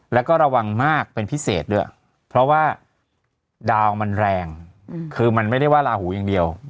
แล้วก็ระวังมากเป็นพิเศษด้วยเพราะว่าดาวมันแรงคือมันไม่ได้ว่าลาหูอย่างเดียว